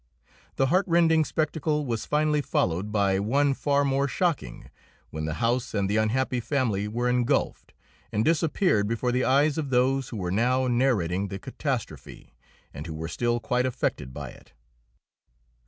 The heartrending spectacle was finally followed by one far more shocking, when the house and the unhappy family were engulfed, and disappeared before the eyes of those who were now narrating the catastrophe, and who were still quite affected by it.